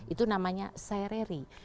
itu namanya sereri